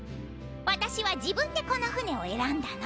私は自分でこの船を選んだの。